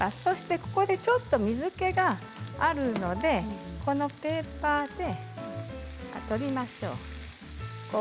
ちょっと水けがあるのでペーパーで取りましょう。